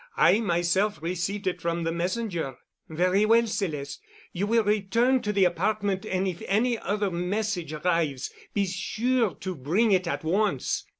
I myself received it from the messenger." "Very well, Celeste. You will return to the apartment and if any other message arrives, be sure to bring it at once."